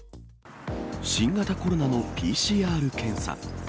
新型コロナのＰＣＲ検査。